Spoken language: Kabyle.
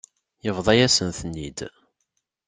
Yebḍa-yasen-ten-id.